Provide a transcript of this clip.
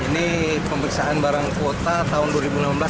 ini pemeriksaan barang kuota tahun dua ribu enam belas sampai dua ribu sembilan belas